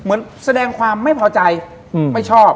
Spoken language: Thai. เหมือนแสดงความไม่พอใจไม่ชอบ